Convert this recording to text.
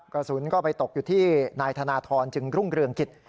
กระสุนก็ไปตกอยู่ที่นายธนทรจึงรุ่งเรืองกิจ